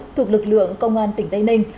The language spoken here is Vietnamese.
thuộc lực lượng công an tỉnh tây ninh